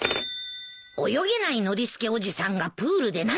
泳げないノリスケおじさんがプールで何をしてるのか。